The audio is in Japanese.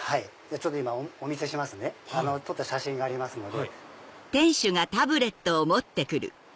ちょっと今お見せしますね撮った写真がありますので。